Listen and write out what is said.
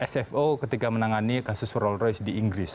sfo ketika menangani kasus rolls royce di inggris